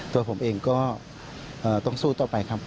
ตัวผมเองก็ต้องสู้ต่อไปครับ